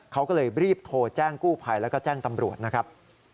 เขาก็เลยรีบโทรแจ้งกู้ภัยแล้วก็แจ้งตำรวจนะครับ